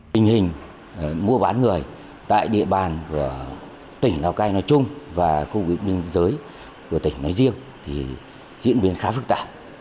tình hình mua bán người tại địa bàn của tỉnh lào cai nói chung và khu vực bên dưới của tỉnh nói riêng thì diễn biến khá phức tạp